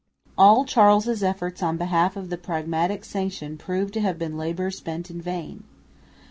All Charles' efforts on behalf of the Pragmatic Sanction proved to have been labour spent in vain.